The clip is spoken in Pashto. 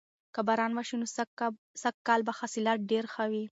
که باران وشي نو سږکال به حاصلات ډیر ښه وي.